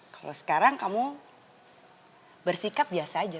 kalau sekarang kamu bersikap biasa aja